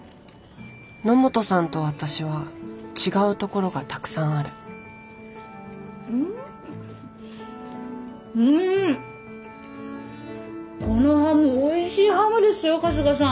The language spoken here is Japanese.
野本さんと私は違うところがたくさんあるうんうんこのハムおいしいハムですよ春日さん。